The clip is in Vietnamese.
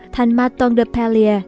thành maton de pallier